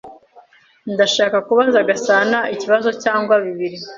Ndashaka kubaza Gasanaikibazo cyangwa bibiri.